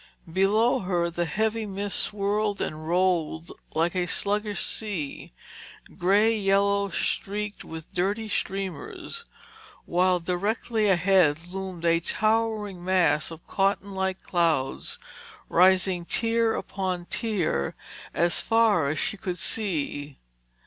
Below her the heavy mist swirled and rolled like a sluggish sea, grey yellow streaked with dirty streamers, while directly ahead loomed a towering mass of cotton like clouds rising tier upon tier as far as she would see.